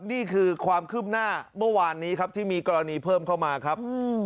นี่คือความคืบหน้าเมื่อวานนี้ครับที่มีกรณีเพิ่มเข้ามาครับ